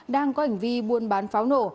đang có hành vi buồn bán pháo nổ